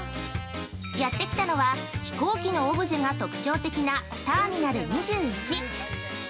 やってきたのは、飛行機のオブジェが特徴的なターミナル２１。